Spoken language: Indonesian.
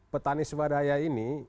petani swadaya ini